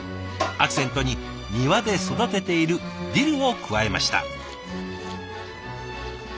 アクセントに庭で育てているディルを加えました。